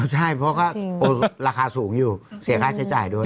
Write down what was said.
ใช่เพราะก็ราคาสูงอยู่เสียค่าใช้จ่ายด้วย